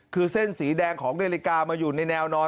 คือเส้นสีแดงของนาฬิกามาอยู่ในแนวนอน